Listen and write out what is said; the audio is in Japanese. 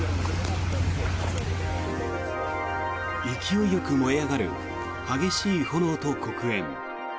勢いよく舞い上がる激しい炎と黒煙。